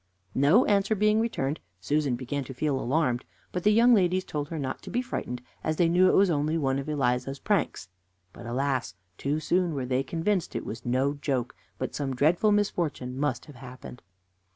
No answer being returned, Susan began to feel alarmed, but the young ladies told her not to be frightened, as they knew it was only one of Eliza's pranks. But, alas! too soon were they convinced it was no joke, but some dreadful misfortune must have happened.